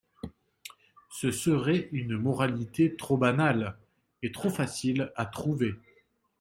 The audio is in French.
Ce serait une moralité trop banale et trop facile à trouver.